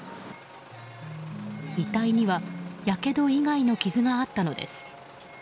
遺体にはやけど以外の傷があったのです。